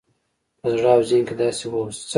په زړه او ذهن کې داسې واوسه